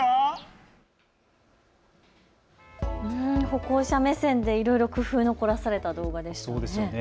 歩行者目線でいろいろ工夫の凝らされた動画でしたね。